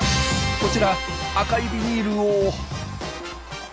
こちら赤いビニールを。